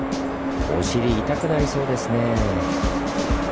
お尻痛くなりそうですね。